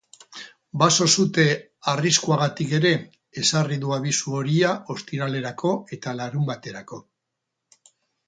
Baso-sute arriskuagatik ere ezarri du abisu horia ostiralerako eta larunbaterako.